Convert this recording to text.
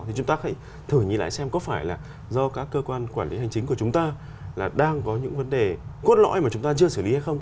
thì chúng ta hãy thử nhìn lại xem có phải là do các cơ quan quản lý hành chính của chúng ta là đang có những vấn đề cốt lõi mà chúng ta chưa xử lý hay không